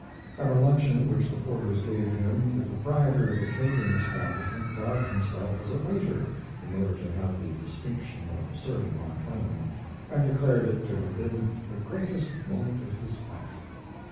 At a luncheon which the Porters gave him the proprietor of the catering establishment garbed himself as a waiter in order to have the distinction of serving Mark Twain, and declared it to have been the greatest moment of his life.